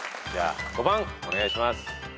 ５番お願いします。